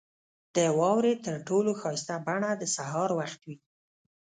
• د واورې تر ټولو ښایسته بڼه د سهار وخت وي.